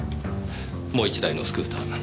もう１台のスクーター